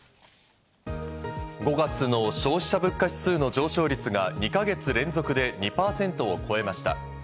５月の消費者物価指数の上昇率が２か月連続で２％を超えました。